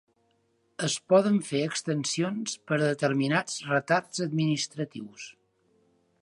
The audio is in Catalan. Es poden fer extensions per a determinats retards administratius.